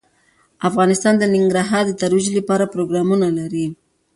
افغانستان د ننګرهار د ترویج لپاره پروګرامونه لري.